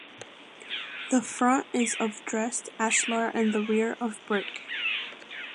The front is of dressed ashlar and the rear of brick.